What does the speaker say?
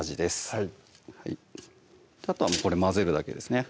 はいあとはもうこれ混ぜるだけですね